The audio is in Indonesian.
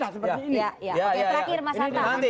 oke terakhir mas anta